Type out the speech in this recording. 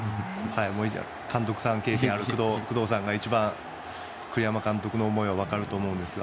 監督さんの経験のある工藤さんが一番栗山監督の思いはわかると思うんですが。